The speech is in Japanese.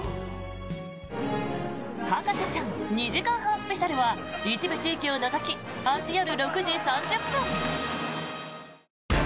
「博士ちゃん」２時間半スペシャルは一部地域を除き明日夜６時３０分。